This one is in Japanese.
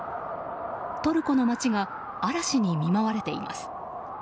トルコの街が嵐に見舞われています。